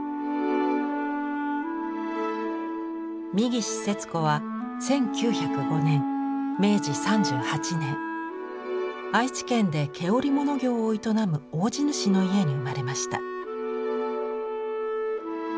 三岸節子は１９０５年明治３８年愛知県で毛織物業を営む大地主の家に生まれました。